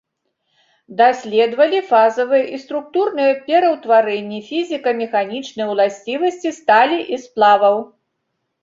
Даследавалі фазавыя і структурныя пераўтварэнні, фізіка-механічныя ўласцівасці сталі і сплаваў.